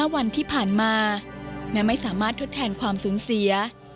วันที่ผ่านมาแม้ไม่สามารถทดแทนความสูญเสีย